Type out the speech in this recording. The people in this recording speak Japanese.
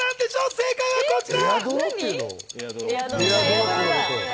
正解はこちら。